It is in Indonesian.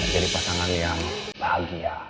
jadi pasangan yang bahagia